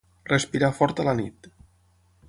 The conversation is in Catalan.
Respirar fort a la nit.